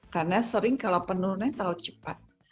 karena sering kalau penurunan yang tahu cepat